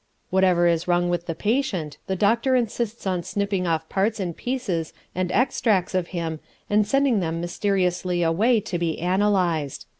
Whatever is wrong with the patient, the doctor insists on snipping off parts and pieces and extracts of him and sending them mysteriously away to be analysed.